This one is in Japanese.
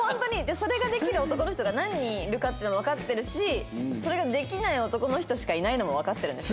それができる男の人が何人いるかってのもわかってるしそれができない男の人しかいないのもわかってるんですよ。